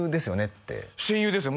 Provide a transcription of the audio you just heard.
って親友ですよ